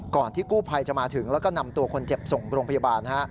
ที่กู้ภัยจะมาถึงแล้วก็นำตัวคนเจ็บส่งโรงพยาบาล